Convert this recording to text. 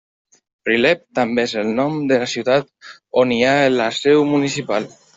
Prilep també és el nom de la ciutat on hi ha la seu municipal.